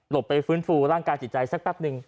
ไปฟื้นฟูร่างกายจิตใจสักแป๊บนึง